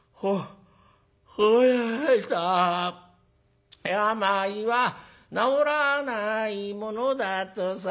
「惚れた病は治らないものだとさ」